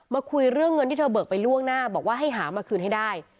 คุยเรื่องเงินที่เธอเบิกไปล่วงหน้าบอกว่าให้หามาคืนให้ได้